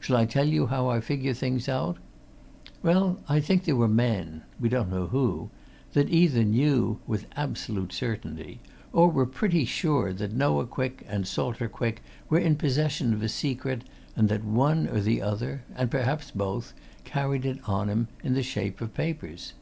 Shall I tell you how I figure things out? Well, I think there were men we don't know who! that either knew, with absolute certainty, or were pretty sure that Noah Quick, and Salter Quick were in possession of a secret and that one or the other and perhaps both carried it on him, in the shape of papers.